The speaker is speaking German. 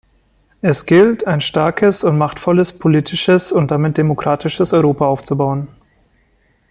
Es gilt, ein starkes und machtvolles politisches und damit demokratisches Europa aufzubauen.